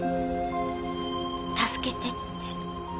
助けてって。